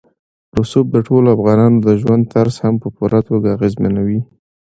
رسوب د ټولو افغانانو د ژوند طرز هم په پوره توګه اغېزمنوي.